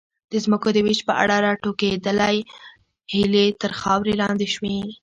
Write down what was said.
د ځمکو د وېش په اړه راټوکېدلې هیلې تر خاورې لاندې شوې.